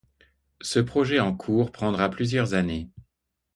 Ce projet en cours prendra plusieurs années.